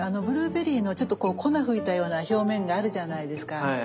ブルーベリーのちょっと粉ふいたような表面があるじゃないですか。